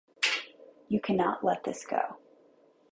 You cannot let this go.